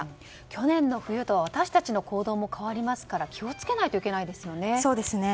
去年の冬とは私たちの行動も変わりますから気をつけないといけないですよね。